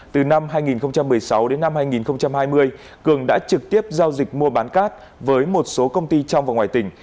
từ năm hai nghìn một mươi sáu đến năm hai nghìn hai mươi cường đã trực tiếp giao dịch mua bán cát với một số công ty trong và ngoài tỉnh